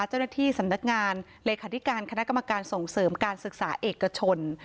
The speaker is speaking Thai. เจ้าหน้าที่สำนักงานเลขาธิการคณะกรรมการส่งเสริมการศึกษาเอกชน